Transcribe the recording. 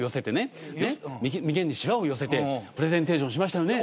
眉間にしわを寄せてプレゼンテーションしましたよね。